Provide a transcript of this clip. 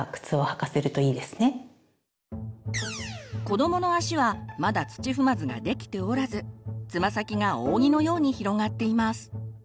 子どもの足はまだ土踏まずができておらずつま先が扇のように広がっています。